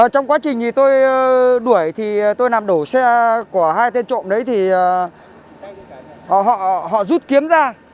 trong quá trình thì tôi đuổi thì tôi làm đổ xe của hai tên trộm đấy thì họ rút kiếm ra